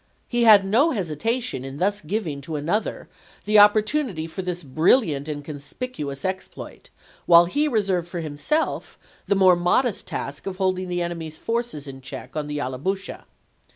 He had no hesitation in thus giving to another the oppor tunity for this brilliant and conspicuous exploit, while he reserved for himself the more modest task of holding the enemy's forces in check on the Yallabusha.